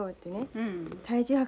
うん。